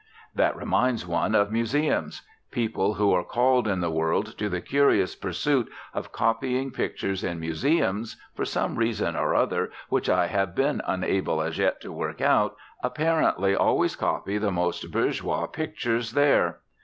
That reminds one of museums. People who are called in the world to the curious pursuit of copying pictures in museums, for some reason or other which I have been unable as yet to work out, apparently always copy the most bourgeois pictures there.